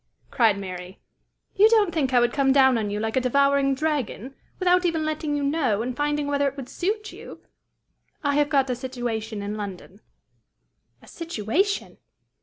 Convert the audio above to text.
cried Mary; "you don't think I would come down on you like a devouring dragon, without even letting you know, and finding whether it would suit you! I have got a situation in London." "A situation!"